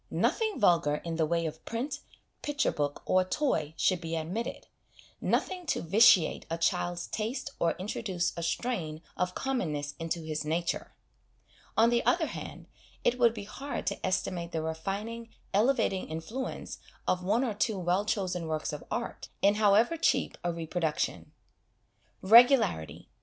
Nothing vulgar in the way of print, picture book, or toy should be admitted nothing to vitiate a child's taste or introduce a strain of commonness into his nature. On the other hand, it would be hard to estimate the refining, elevating influence of one or two well chosen works of art, in however cheap a reproduction. Regularity.